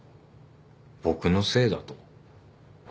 僕のせいだと？